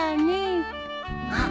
あっ！